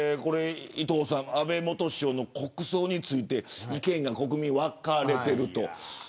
安倍元首相の国葬について意見が国民、分かれていると。